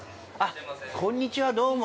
◆こんにちは、どうも。